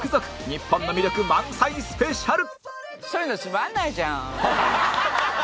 日本の魅力満載スペシャル